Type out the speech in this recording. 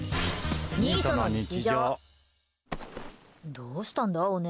どうしたんだ、お姉？